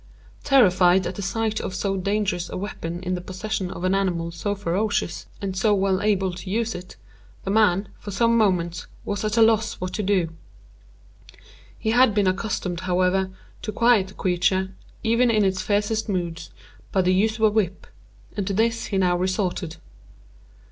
Terrified at the sight of so dangerous a weapon in the possession of an animal so ferocious, and so well able to use it, the man, for some moments, was at a loss what to do. He had been accustomed, however, to quiet the creature, even in its fiercest moods, by the use of a whip, and to this he now resorted.